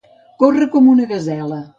Córrer com una gasela.